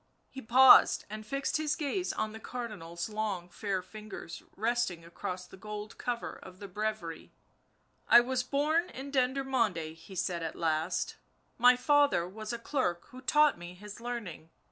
He paused and fixed his gaze on the "Cardinal's long fair fingers resting across the gold cover of the breviary. " I was born in Dendermonde," he said at length. " My father was a clerk who taught me his learning.